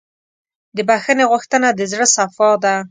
د بښنې غوښتنه د زړۀ صفا ده.